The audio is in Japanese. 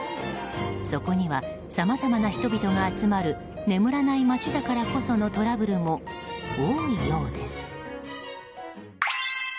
そこにはさまざまな人々が集まる眠らない街だからこそのトラブルも多いようです。